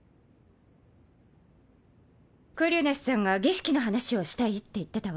クリュネスさんが儀式の話をしたいって言ってたわ。